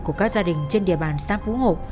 của các gia đình trên địa bàn xã phú hộ